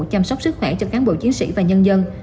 chăm sóc sức khỏe cho cán bộ chiến sĩ và nhân dân